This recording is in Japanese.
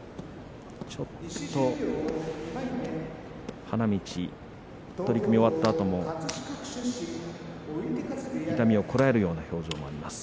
ちょっと花道取組が終わったあとも痛みをこらえるような表情があります。